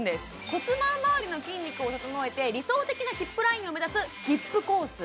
骨盤周りの筋肉を整えて理想的なヒップラインを目指すヒップコース